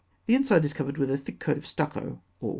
The inside is covered with a thick coat of stucco or whitewash.